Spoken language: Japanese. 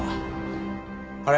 あれ？